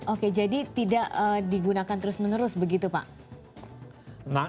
oke jadi tidak digunakan terus menerus begitu pak